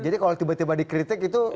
jadi kalau tiba tiba dikritik itu